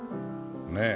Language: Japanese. ねえ。